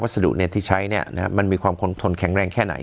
วัสดุเนี่ยที่ใช้เนี่ยนะครับมันมีความคงทนแข็งแรงแค่ไหน